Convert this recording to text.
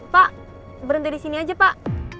pak berhenti di sini aja pak